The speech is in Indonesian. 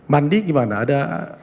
mandi gimana ada